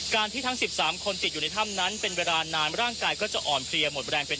ที่ทั้ง๑๓คนติดอยู่ในถ้ำนั้นเป็นเวลานานร่างกายก็จะอ่อนเพลียหมดแรงเป็น